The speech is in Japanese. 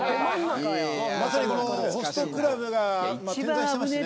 まさにこのホストクラブが点在してましてね。